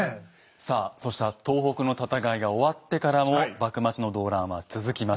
さあそうした東北の戦いが終わってからも幕末の動乱は続きます。